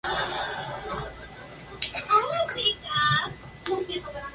Finalmente, los humanos pueden dañar a las hembras nidificantes movidos por la curiosidad.